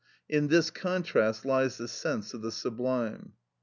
In this contrast lies the sense of the sublime.